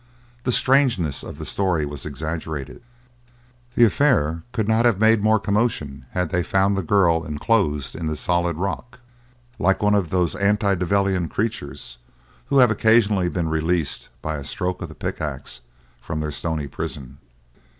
The strangeness of the story was exaggerated; the affair could not have made more commotion had they found the girl enclosed in the solid rock, like one of those antediluvian creatures who have occasionally been released by a stroke of the pickax from their stony prison.